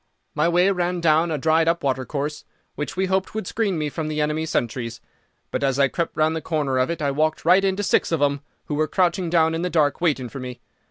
"My way ran down a dried up watercourse, which we hoped would screen me from the enemy's sentries; but as I crept round the corner of it I walked right into six of them, who were crouching down in the dark waiting for me.